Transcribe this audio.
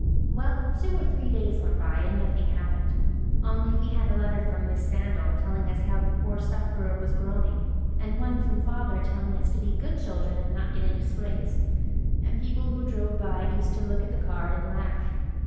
Well, two or three days went by, and nothing happened, only we had a letter from Miss Sandal, telling us how the poor sufferer was groaning, and one from Father telling us to be good children, and not get into scrapes. And people who drove by used to look at the card and laugh.